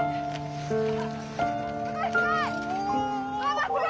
すごいすごい！